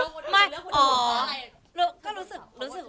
ก็ทำไมเธอไม่เลือกตัวเอง